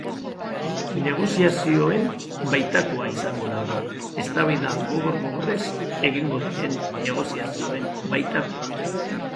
Negoziazioen baitakoa izango da hori, eztabaida gogor-gogorrez egingo diren negoziazioen baitakoa.